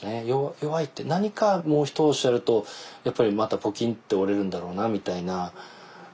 何かもう一押しあるとやっぱりまたポキンって折れるんだろうなみたいな。